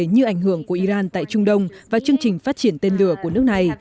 như ảnh hưởng của iran tại trung đông và chương trình phát triển tên lửa của nước này